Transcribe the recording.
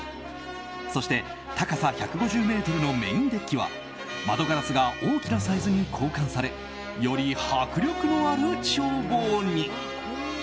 そして、高さ１５０ｍのメインデッキは窓ガラスが大きなサイズに交換され、より迫力のある眺望に。